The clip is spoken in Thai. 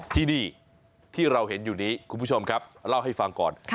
ที่นี่ที่เราเห็นอยู่นี้คุณผู้ชมครับเล่าให้ฟังก่อน